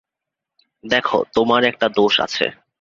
দেখো, তোমার একটা দোষ আছে।